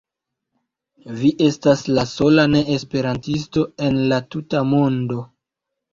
Vi estas la sola neesperantisto en la tuta mondo.